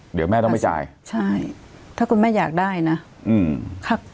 เดี๋ยวแม่ต้องไม่จ่ายใช่ถ้าคุณแม่อยากได้นะอืมครับ